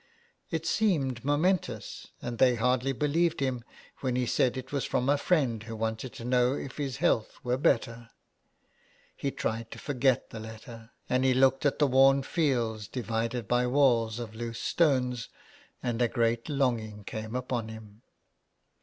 It seemed momentous, and they hardly believed him when he said it was from a friend who wanted to know if his health were better. He tried to forget the letter, and he looked at the worn fields, divided by walls of loose stones, and a great longing came upon him.